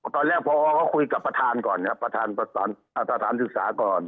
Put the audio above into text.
ตอนแรกพอเขาคุยกับประธานก่อนครับประธานสถานศึกษาก่อน